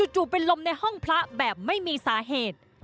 จู่เป็นลมในห้องพระแบบไม่มีสาเหตุ